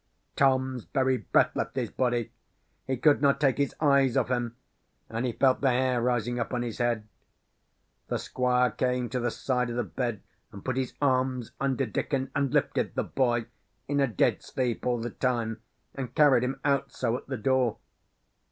"Tom's very breath left his body; he could not take his eyes off him; and he felt the hair rising up on his head. "The Squire came to the side of the bed, and put his arms under Dickon, and lifted the boy in a dead sleep all the time and carried him out so, at the door.